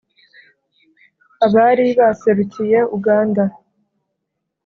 abari baserukiye uganda.